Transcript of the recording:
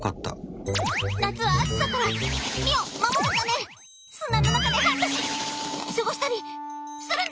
夏は暑さから身を守るため砂の中で半年過ごしたりするんだ。